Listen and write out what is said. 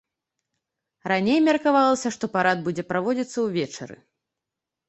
Раней меркавалася, што парад будзе праводзіцца ўвечары.